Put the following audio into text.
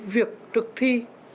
việc thực thi